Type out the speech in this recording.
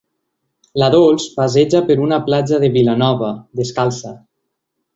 La Dols passeja per la platja de Vilanova, descalça.